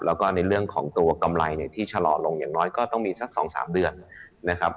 แล้วก็ในเรื่องของตัวกำไรเนี่ยที่ชะลอลงอย่างน้อยก็ต้องมีสัก๒๓เดือนนะครับ